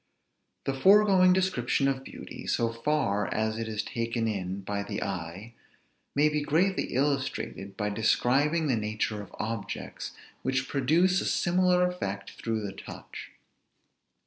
The foregoing description of beauty, so far as it is taken in by the eye, may he greatly illustrated by describing the nature of objects, which produce a similar effect through the touch.